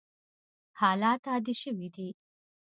حالات عادي شوي دي.